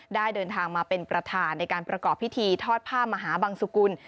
เดินทางมาเป็นประธานในการประกอบพิธีทอดผ้ามหาบังสุกุล